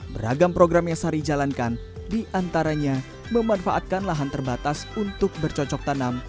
beragam program yang sari jalankan diantaranya memanfaatkan lahan terbatas untuk bercocok tanam